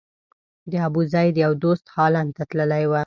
د ابوزید یو دوست هالند ته تللی و.